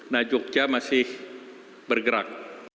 nah yogyakarta masih bergerak